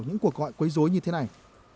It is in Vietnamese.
những cuộc gọi quấy rối như thế này